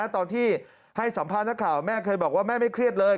ตอนที่ให้สัมภาษณ์นักข่าวแม่เคยบอกว่าแม่ไม่เครียดเลย